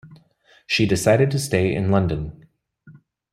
She decided to stay in London.